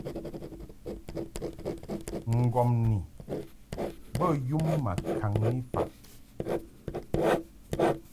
Ŋgɔmni bə yum ma kaŋni faʼ.